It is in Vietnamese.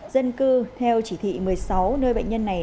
dân cư theo chỉ thị một mươi sáu nơi bệnh nhân này